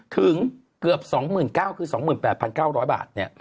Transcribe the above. ถึงเกือบ๒๙๐๐คือ๒๘๙๐๐บาท